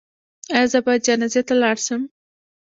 ایا زه باید جنازې ته لاړ شم؟